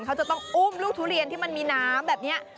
ก็จะต้องอืมลูกทุเรียนที่มันมีน้ำ